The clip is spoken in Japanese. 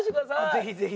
ぜひぜひ。